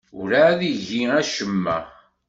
Werɛad igi acemma.